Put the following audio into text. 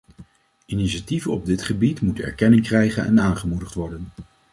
Initiatieven op dit gebied moeten erkenning krijgen en aangemoedigd worden.